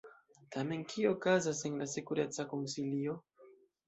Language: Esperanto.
Tamen kio okazas en la Sekureca Konsilio?